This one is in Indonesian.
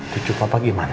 tujuh papa gimana